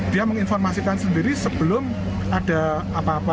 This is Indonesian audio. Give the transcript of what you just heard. dia menginformasikan sendiri sebelum ada apa apa